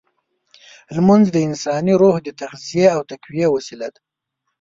لمونځ د انساني روح د تغذیې او تقویې وسیله ده.